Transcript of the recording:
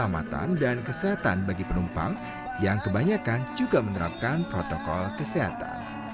keselamatan dan kesehatan bagi penumpang yang kebanyakan juga menerapkan protokol kesehatan